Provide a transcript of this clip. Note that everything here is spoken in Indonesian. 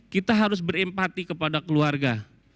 kita harus berempati kepada keluarga